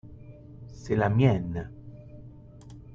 c'est la mienne.